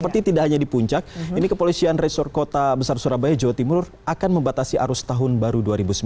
seperti tidak hanya di puncak ini kepolisian resor kota besar surabaya jawa timur akan membatasi arus tahun baru dua ribu sembilan belas